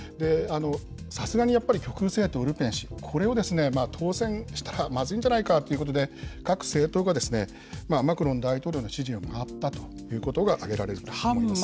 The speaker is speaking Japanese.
さすがにやっぱり極右政党、ルペン氏、これを当選したらまずいんじゃないかということで、各政党がマクロン大統領の支持に回ったということが挙げられると思いま